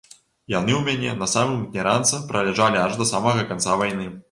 Яны ў мяне, на самым дне ранца, праляжалі аж да самага канца вайны.